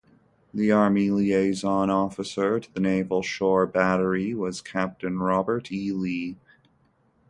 The Army liaison officer to the Naval Shore Battery was Captain Robert E. Lee.